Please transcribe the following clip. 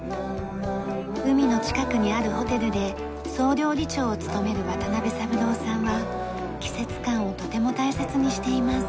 海の近くにあるホテルで総料理長を務める渡邊三郎さんは季節感をとても大切にしています。